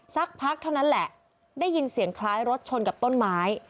สักพักเท่านั้นแหละได้ยินเสียงคล้ายรถชนกับต้นไม้